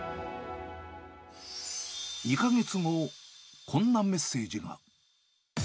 ２か月後、こんなメッセージが。